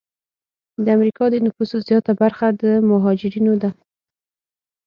د امریکا د نفوسو زیاته برخه د مهاجرینو ده.